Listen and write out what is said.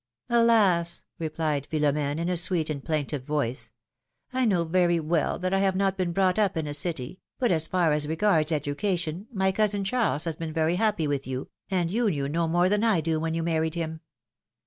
^^Alas !" replied Philomene, in a sweet and plaintive voice, I know very well that I have not been brought up ill a city, but as far as regards education, my cousin Charles has been very happy with you, and you knew no more than I do when you married him.